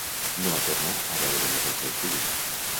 No va tornar a veure més el seu fill.